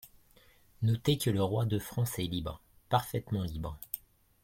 Notez que le roi de France est libre, parfaitement libre.